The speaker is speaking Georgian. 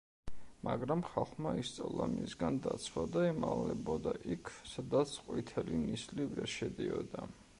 მაგრამ ხალხმა ისწავლა მისგან დაცვა და იმალებოდა იქ, სადაც ყვითელი ნისლი ვერ შედიოდა.